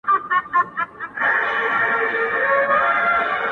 چي په مزار بغلان کابل کي به دي ياده لرم’